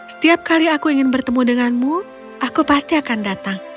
setiap kali aku ingin bertemu denganmu aku pasti akan datang